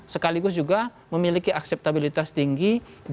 sekaligus juga memiliki akseptabilitas tinggi